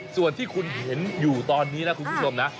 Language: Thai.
ส่วนที่คุณเห็นอยู่ตอนนี้นะคุณผู้ชมนะ